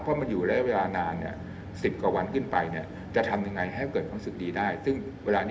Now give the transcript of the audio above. เพราะมันอยู่แล้วเวลานานเนี้ยสิบกว่าวันขึ้นไปเนี้ย